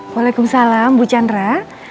waalaikumsalam bu chandra